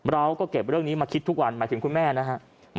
เราก็เก็บเรื่องนี้มาคิดทุกวันหมายถึงคุณแม่นะครับ